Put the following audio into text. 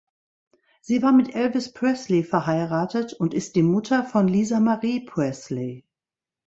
Sie war mit Elvis Presley verheiratet und ist die Mutter von Lisa Marie Presley.